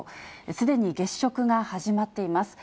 すでに月食が始まっています。